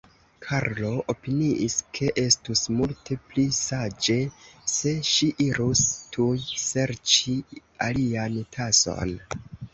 Karlo opiniis, ke estus multe pli saĝe, se ŝi irus tuj serĉi alian tason.